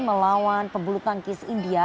melawan pebulu tangkis india